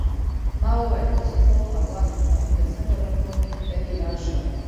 ما وویل اوس خو هوا طوفاني ده څنګه به په کښتۍ کې لاړ شم.